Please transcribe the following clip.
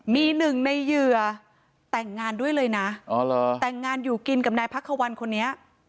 มีหนึ่งในเหยื่อแต่งงานด้วยเลยนะแต่งงานอยู่กินกับนายพักควันคนนี้